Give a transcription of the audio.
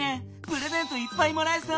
プレゼントいっぱいもらえそう！